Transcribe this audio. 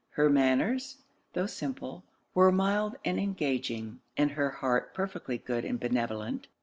Her manners, tho' simple, were mild and engaging; and her heart perfectly good and benevolent.